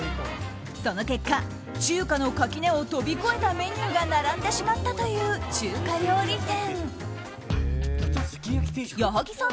その結果、中華の垣根を飛び越えたメニューが並んでしまったという中華料理店。